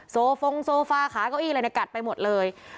โซฟงโซฟาขาเก้าอี้อะไรในกัดไปหมดเลย